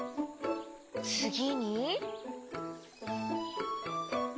つぎに？